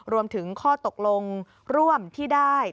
รวมถึงข้อตกลงร่วมที่ได้